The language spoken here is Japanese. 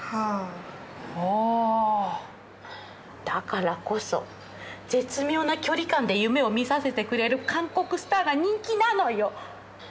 だからこそ絶妙な距離感で夢を見させてくれる韓国スターが人気なのよ。